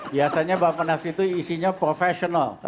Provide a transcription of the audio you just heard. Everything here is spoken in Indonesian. biasanya bapenas itu isinya professional